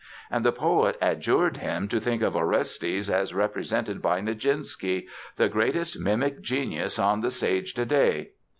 And the poet adjured him to think of Orestes as represented by Nijinsky, "the greatest mimic genius on the stage today!"